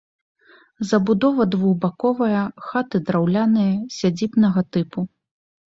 Забудова двухбаковая, хаты драўляныя, сядзібнага тыпу.